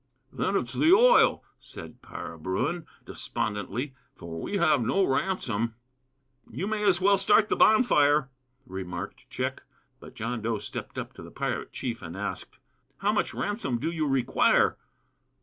"Then it's the oil," said Para Bruin, despondently; "for we have no ransom." "You may as well start the bonfire," remarked Chick. But John Dough stepped up to the pirate chief and asked: "How much ransom do you require?"